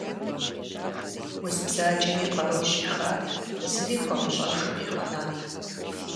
Уз бзаджэм и къарур щӀихат, зыри хуэмыщӀэжу къигъэнат.